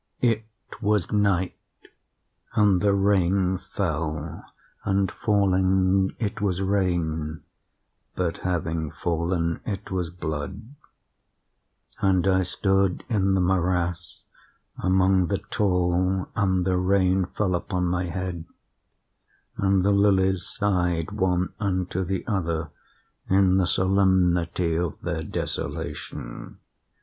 "It was night, and the rain fell; and falling, it was rain, but, having fallen, it was blood. And I stood in the morass among the tall and the rain fell upon my head—and the lilies sighed one unto the other in the solemnity of their desolation.